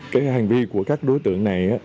cái hành vi của các đối tượng này